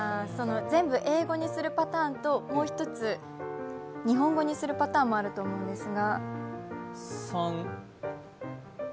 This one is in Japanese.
全部英語にするパターンともう１つ、日本語にするパターンがあると思うんですが。